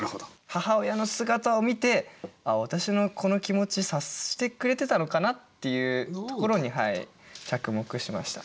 母親の姿を見て「あっ私のこの気持ち察してくれてたのかな？」っていうところに着目しました。